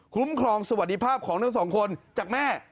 คุ้มครองสวัสดิภาพของทั้ง๒คนจากแม่